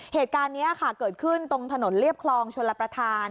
เหตุการณ์นี้ค่ะเกิดขึ้นตรงถนนเรียบคลองชลประธาน